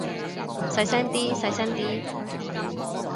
細聲啲，細聲啲